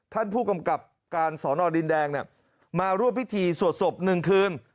ท่านผู้กำกับการสอนอดินแดงมาร่วมพิธีสวดศพ๑คืน